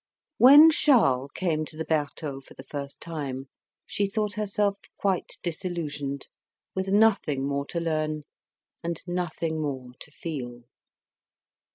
When Charles came to the Bertaux for the first time, she thought herself quite disillusioned, with nothing more to learn, and nothing more to feel.